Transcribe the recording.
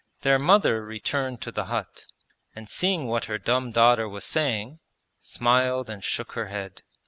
Their mother returned to the hut, and seeing what her dumb daughter was saying, smiled and shook her head.